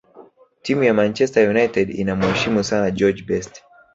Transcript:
timu ya manchester united inamuheshimu sana george best